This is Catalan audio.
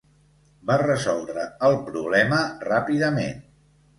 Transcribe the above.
Va resoldre el problema ràpidament.